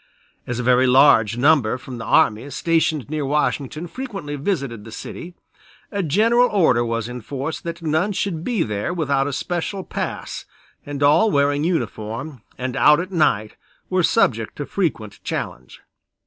As a very large number from the Army stationed near Washington frequently visited the city, a general order was in force that none should be there without a special pass and all wearing uniform and out at night were subject to frequent challenge.